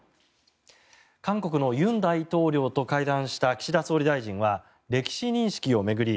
韓国の尹大統領と会談した岸田総理大臣は歴史認識を巡り